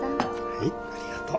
はいありがとう。